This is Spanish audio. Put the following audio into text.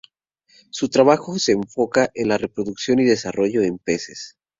Su trabajo se enfoca en la reproducción y el desarrollo en peces.